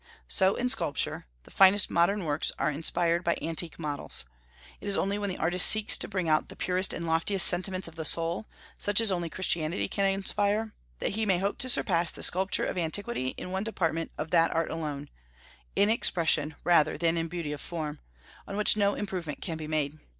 So in sculpture, the finest modern works are inspired by antique models. It is only when the artist seeks to bring out the purest and loftiest sentiments of the soul, such as only Christianity can inspire, that he may hope to surpass the sculpture of antiquity in one department of that art alone, in expression, rather than in beauty of form, on which no improvement can be made.